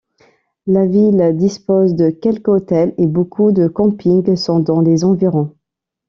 La ville dispose de quelques hôtels et beaucoup de campings sont dans les environs.